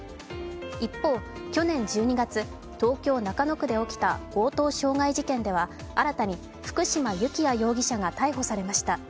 一方、去年１２月、東京・中野区で起きた強盗傷害事件では新たに福嶋幸也容疑者が逮捕されました。